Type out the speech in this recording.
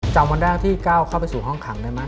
จำวันแรกที่ก้าวเข้าไปสู่ห้องขังได้ไหม